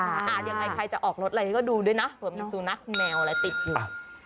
ยังไงใครจะออกรถอะไรก็ดูด้วยนะเผื่อมีสุนัขแมวอะไรติดอยู่